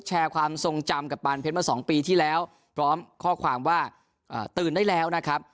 ความทรงจำกับปานเพชรมา๒ปีที่แล้วพร้อมข้อความว่าตื่นได้แล้วนะครับ